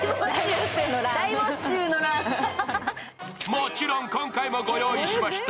もちろん今回もご用意しました。